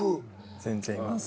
全然います。